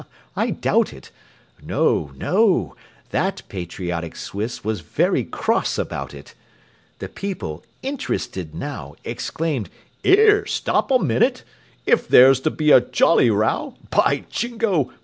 I doubt it! No, no; that patriotic Swiss Was very cross about it. The people, interested now, Exclaimed, "Here! Stop a minute If there's to be a jolly row, By Jingo!